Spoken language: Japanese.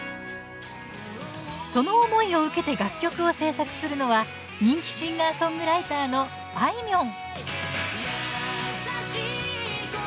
その思いを受けて楽曲を制作するのは人気シンガーソングライターのあいみょん。